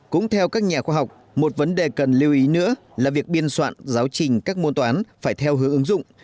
cũng theo các nhà khoa học một vấn đề cần lưu ý nữa là việc biên soạn giáo trình các môn toán phải theo hướng ứng dụng